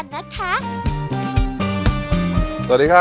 มีวันหยุดเอ่ออาทิตย์ที่สองของเดือนค่ะ